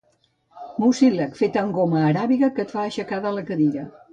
Mucílag fet amb goma aràbiga que et fa aixecar de la cadira.